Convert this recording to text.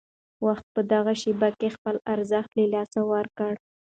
وخت په دغه شېبه کې خپل ارزښت له لاسه ورکړ.